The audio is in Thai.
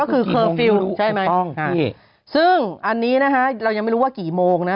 อืมคือใช่ไหมค่ะซึ่งอันนี้นะฮะเรายังไม่รู้ว่ากี่โมงนะ